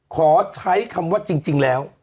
ขอใช้คำว่าจริงแล้ว